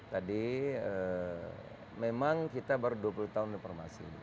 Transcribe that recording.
tadi memang kita baru dua puluh tahun reformasi